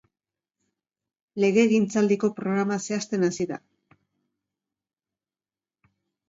Legegintzaldiko programa zehazten hasi da.